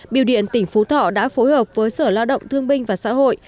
biểu điện tỉnh phú thọ đã phối hợp với sở lao động thương binh và xã hội